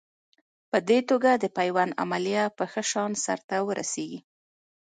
په دې توګه د پیوند عملیه په ښه شان سر ته ورسېږي.